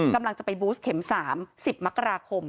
กำลังจะไปบูสเข็ม๓๐มกราคม